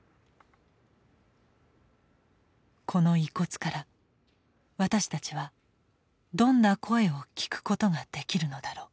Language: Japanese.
この遺骨から私たちはどんな声を聞くことができるのだろう。